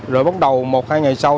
rồi bắt đầu một hai ngày sau